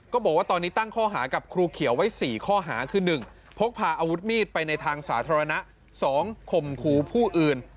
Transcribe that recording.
ก็บอกว่าตอนนี้ตั้งข้อหากับครูเขียวไว้๔ข้อหาคือ๑